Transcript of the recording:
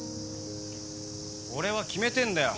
俺は決めてんだよ